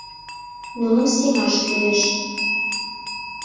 Нуным сеҥаш кӱлеш...